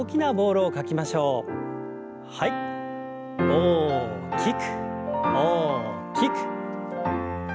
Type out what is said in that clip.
大きく大きく。